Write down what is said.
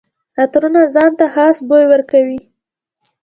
عطرونه ځان ته خاص بوی ورکوي.